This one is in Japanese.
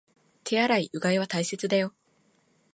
手洗い、うがいは大切だよ